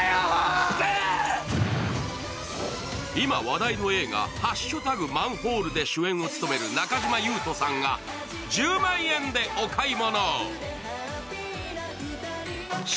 今、話題の映画「＃マンホール」で主演を務める中島裕翔さんが１０万円でお買い物。